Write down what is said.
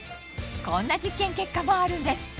こんな実験結果もあるんです